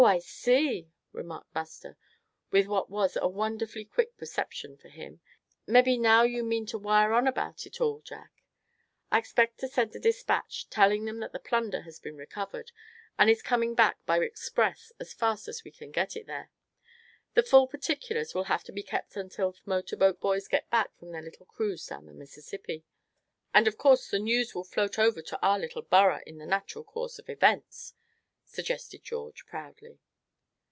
I see," remarked Buster, with what was a wonderfully quick perception, for him, "mebbe now you mean to wire on about it all, Jack." "I expect to send a dispatch, telling them that the plunder has been recovered, and is coming back by express as fast as we can get it there; the full particulars will have to keep until the Motor Boat Boys get back from their little cruise down the Mississippi." "And of course the news will float over to our little borough, in the natural course of events," suggested George, proudly.